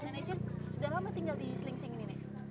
nenek cik sudah lama tinggal di selingsing ini